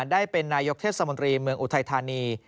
ได้เป็นนายกเทศมนตรีเมืองอุทัยธานี